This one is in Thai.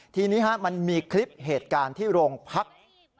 ทีนี้มันมีคลิปเหตุการณ์ที่โรงพัก